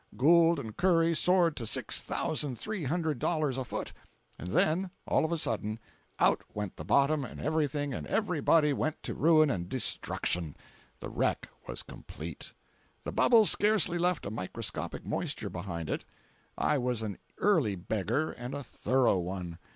Gould and Curry soared to six thousand three hundred dollars a foot! And then—all of a sudden, out went the bottom and everything and everybody went to ruin and destruction! The wreck was complete. The bubble scarcely left a microscopic moisture behind it. I was an early beggar and a thorough one.